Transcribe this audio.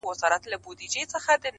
زما له غېږي زما له څنګه پاڅېدلای!.